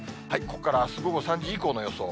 ここからあす午後３時以降の予想。